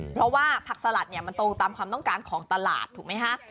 เพราะว่าผักสลัดเนี่ยมันตรงตามความต้องการของตลาดถูกไหมฮะ